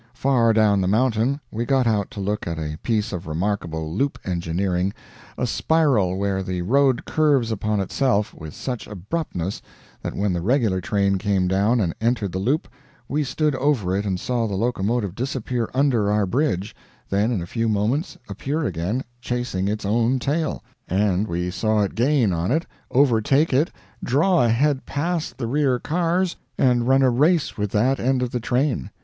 Far down the mountain we got out to look at a piece of remarkable loop engineering a spiral where the road curves upon itself with such abruptness that when the regular train came down and entered the loop, we stood over it and saw the locomotive disappear under our bridge, then in a few moments appear again, chasing its own tail; and we saw it gain on it, overtake it, draw ahead past the rear cars, and run a race with that end of the train.